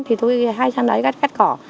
thì tôi hay sang đấy cắt khỏ